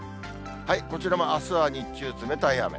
こちらもあすは日中、冷たい雨。